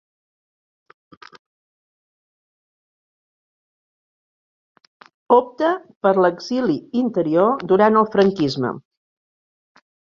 Opta per l'exili interior durant el franquisme.